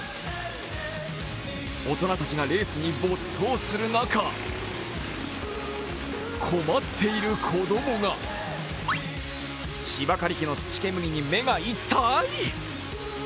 大人たちがレースに没頭する中、困っている子供が芝刈り機の土煙に目が痛い。